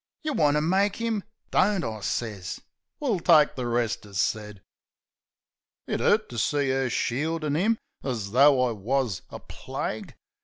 You want to make 'im ..." "Don't," I sez. "We'll take the rest as said." Vi'lits It 'urt to see 'er shieldin' 'im as tho' I wus a plague.